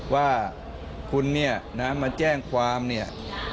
ว่าคุณเนี่ยนะมาแจ้งความเนี่ย